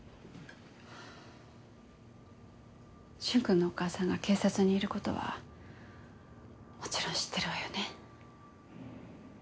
駿君のお母さんが警察にいる事はもちろん知ってるわよね？